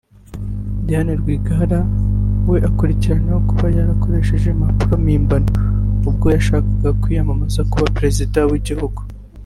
Diane Rwigara we akurikiranyweho kuba yarakoresheje impapuro mpimbano ubwo yashakaga kwiyamamariza kuba Perezida w’igihugu